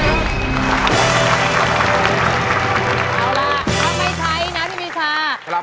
เอาล่ะก็ไม่ใช้นะครับพี่ฟรีชา